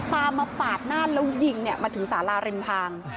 ตามมาปาดหน้าแล้วยิงมาถึงสาราริมทาง